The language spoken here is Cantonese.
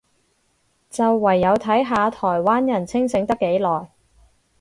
就唯有睇下台灣人清醒得幾耐